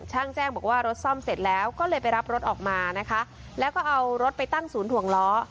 แจ้งบอกว่ารถซ่อมเสร็จแล้วก็เลยไปรับรถออกมานะคะแล้วก็เอารถไปตั้งศูนย์ถวงล้อ